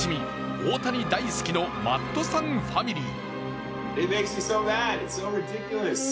大谷大好きのマットさんファミリー。